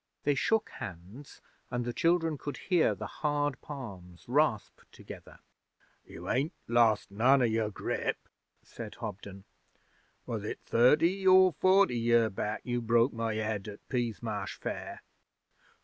They shook hands, and the children could hear the hard palms rasp together. 'You ain't lost none o' your grip,' said Hobden. 'Was it thirty or forty year back you broke my head at Peasmarsh Fair?'